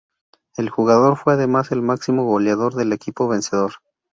El jugador fue además el máximo goleador del equipo vencedor.